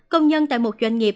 công nhân tại một doanh nghiệp